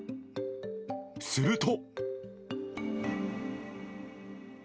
すると。